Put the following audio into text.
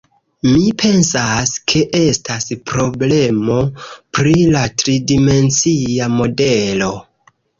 Mi pensas, ke estas problemo pri la tridimencia modelo.